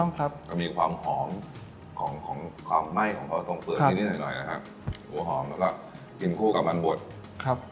นี้พวกมีความหอมของของคอมไหม้ของโปรสมเบอร์ค่ะครับวัวหอมแล้วก็กินคู่กับมันบดครับ